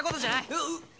うっ！